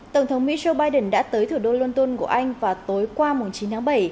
tổng thống michelle biden đã tới thủ đô london của anh và tối qua chín tháng bảy